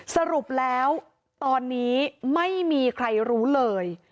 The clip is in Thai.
สรุปแล้วตอนนี้ไม่มีใครรู้เลย